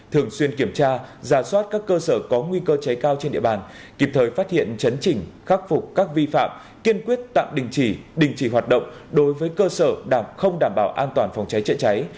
thường xuyên kiểm tra giả soát các cơ sở có nguy cơ cháy cao trên địa bàn kịp thời phát hiện chấn trình khắc phục các vi phạm kiên quyết tạm đình chỉ đình chỉ hoạt động đối với cơ sở đảm không đảm bảo an toàn phòng cháy chữa cháy